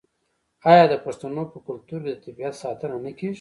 آیا د پښتنو په کلتور کې د طبیعت ساتنه نه کیږي؟